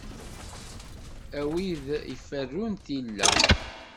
A wid iferrun tilla!